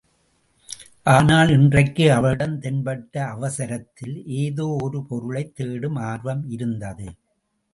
ஆனால் இன்றைக்கு அவளிடம் தென்பட்ட அவசரத்தில் ஏதோ ஒரு பொருளைத் தேடும் ஆர்வம் இருந்தது.